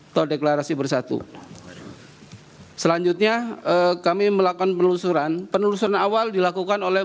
terima kasih bersatu selanjutnya kami melakukan penelusuran penelusuran awal dilakukan oleh